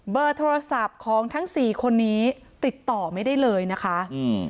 เบอร์โทรศัพท์ของทั้งสี่คนนี้ติดต่อไม่ได้เลยนะคะอืม